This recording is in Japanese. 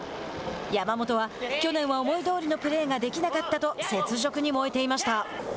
山本は去年は思いどおりのプレーができなかったと雪辱に燃えていました。